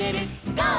ゴー！」